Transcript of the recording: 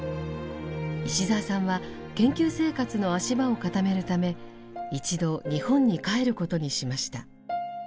石澤さんは研究生活の足場を固めるため一度日本に帰ることにしました。